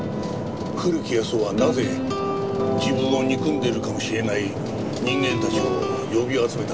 古木保男はなぜ自分を憎んでいるかもしれない人間たちを呼び集めたのか。